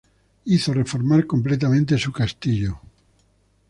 Hizo reformar completamente su castillo.